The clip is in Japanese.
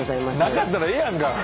なかったらええやんか！